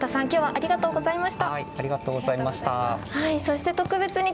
ありがとうございます。